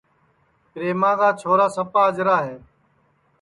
پریما کا ٻولٹؔا سپا اجرا ہے